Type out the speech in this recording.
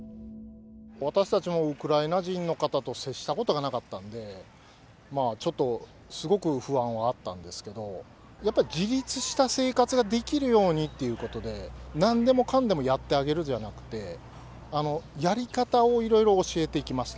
私たちもウクライナ人の方と接したことがなかったんで、ちょっとすごく不安はあったんですけど、やっぱり自立した生活ができるようにっていうことで、なんでもかんでもやってあげるじゃなくて、やり方をいろいろ教えていきました。